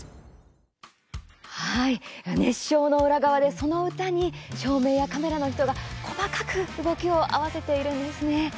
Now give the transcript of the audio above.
熱唱の裏側でその歌に照明やカメラの人が細かく動きを合わせているんですね。